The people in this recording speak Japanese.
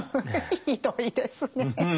ひどいですねえ。